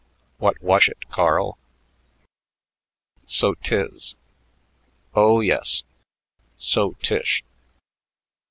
What wush it, Carl?" "So 'tis." "Oh, yes. So 'tish."